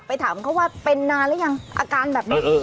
ถามเขาว่าเป็นนานหรือยังอาการแบบนี้